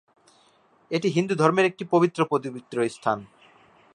এটি হিন্দু ধর্মের একটি পবিত্র পবিত্র স্থান।